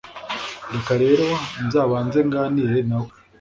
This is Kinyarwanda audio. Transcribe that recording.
reka rero nzabanze nganire na we